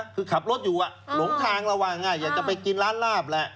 คือขับรถอยู่หลงทางระหว่างอยากจะไปกินร้านลาบแหละ